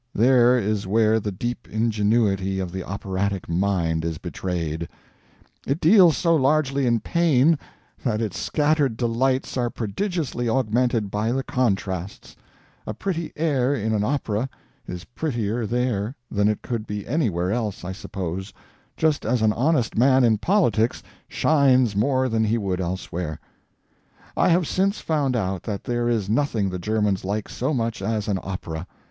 There is where the deep ingenuity of the operatic idea is betrayed. It deals so largely in pain that its scattered delights are prodigiously augmented by the contrasts. A pretty air in an opera is prettier there than it could be anywhere else, I suppose, just as an honest man in politics shines more than he would elsewhere. I have since found out that there is nothing the Germans like so much as an opera.